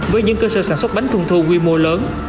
với những cơ sở sản xuất bánh trung thu quy mô lớn